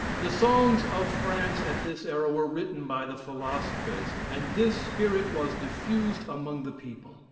The songs of France at this era were written by the philosophers; and this spirit was diffused among the people.